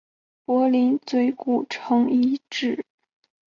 柏林嘴古城遗址的历史年代为唐。